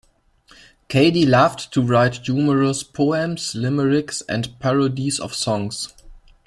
Cady loved to write humorous poems, limericks, and parodies of songs.